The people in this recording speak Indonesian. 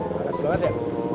panas banget ya